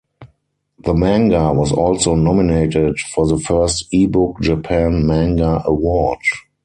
The manga was also nominated for the first Ebook Japan manga award.